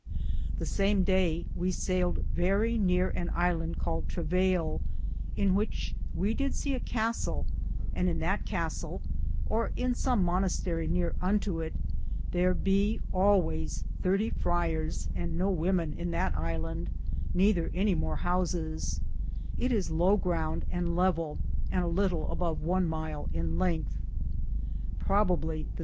The sam daye we sailed verrie neare an Ilande called Travallie,^ in the which we did se a Castle, and in that Castell, or in som monestarie near unto it, thar be alwayes Thirtie fryeres, and no wemen in that Ilande, nether any more housis : it is low ground and levell, and litle above one myle in lengthe.